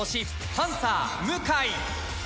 パンサー向井